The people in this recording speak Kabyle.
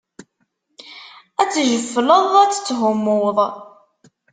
Ad tejjefleḍ, ad tetthummuḍ.